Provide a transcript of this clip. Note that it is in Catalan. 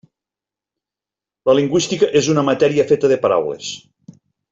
La lingüística és una matèria feta de paraules.